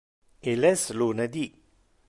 Il es lunedi